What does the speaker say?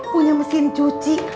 punya mesin cuci